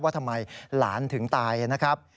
ว่าทำไมหลานถึงตายนะครับ